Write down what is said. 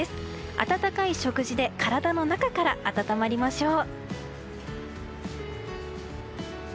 温かい食事で、体の中から暖まりましょう。